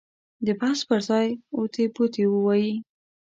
د بحث پر ځای اوتې بوتې ووایي.